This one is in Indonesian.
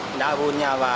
tidak punya pak